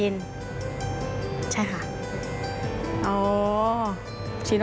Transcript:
อ่าาาใจค่ะ